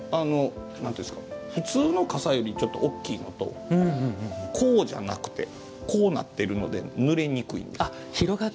和装の時は普通の傘より大きいのとこうじゃなくてこうなっているのでぬれにくいです。